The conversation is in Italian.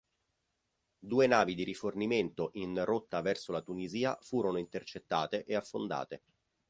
Due navi di rifornimento in rotta verso la Tunisia furono intercettate e affondate.